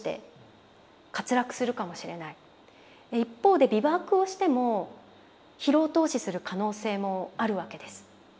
一方でビバークをしても疲労凍死する可能性もあるわけです。